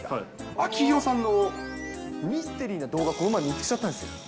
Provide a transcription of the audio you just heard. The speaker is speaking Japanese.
秋広さんのミステリーな動画、この前、見つけちゃったんです。